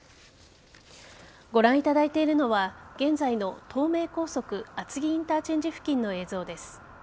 ご覧いただいているのは現在の東名高速厚木インターチェンジ付近の映像です。